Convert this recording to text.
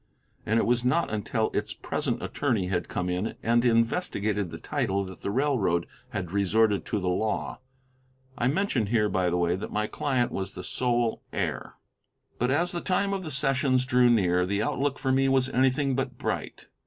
And it was not until its present attorney had come in and investigated the title that the railroad had resorted to the law. I mention here, by the way, that my client was the sole heir. But as the time of the sessions drew near, the outlook for me was anything but bright.